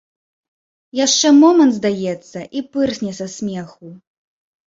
Яшчэ момант, здаецца, і пырсне са смеху.